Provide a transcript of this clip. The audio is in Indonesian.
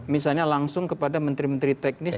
misalnya langsung kepada menteri menteri teknis